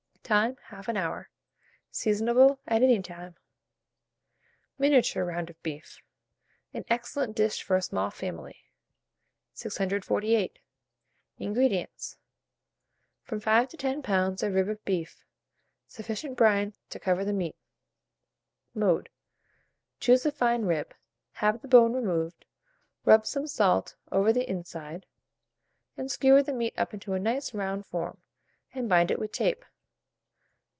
Time, 1/2 hour. Seasonable at any time. MINIATURE ROUND OF BEEF. (An Excellent Dish for a Small Family.) 648. INGREDIENTS. From 5 to 10 lbs. of rib of beef, sufficient brine to cover the meat. Mode. Choose a fine rib, have the bone removed, rub some salt over the inside, and skewer the meat up into a nice round form, and bind it with tape.